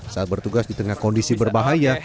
saat bertugas di tengah kondisi berbahaya